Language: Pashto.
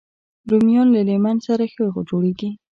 رومیان له لیمن سره ښه جوړېږي